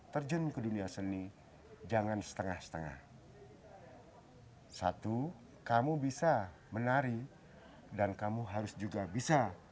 terjun ke dunia seni jangan setengah setengah satu kamu bisa menari dan kamu harus juga bisa